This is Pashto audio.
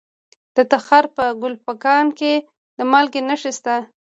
د تخار په کلفګان کې د مالګې نښې شته.